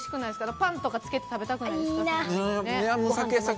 パンとかつけて食べたくないですか？